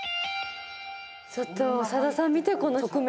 ちょっと長田さん見てこの側面。